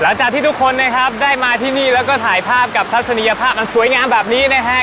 หลังจากที่ทุกคนนะครับได้มาที่นี่แล้วก็ถ่ายภาพกับทัศนียภาพอันสวยงามแบบนี้นะฮะ